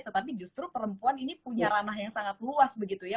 tetapi justru perempuan ini punya ranah yang sangat luas begitu ya